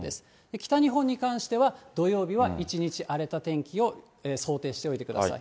北日本に関しては、土曜日は一日荒れた天気を想定しておいてください。